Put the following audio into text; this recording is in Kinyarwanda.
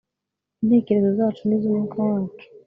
intekerezo zacu, n'iz'umwuka wacu